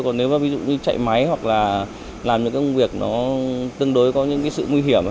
còn nếu mà ví dụ như chạy máy hoặc là làm những công việc nó tương đối có những cái sự nguy hiểm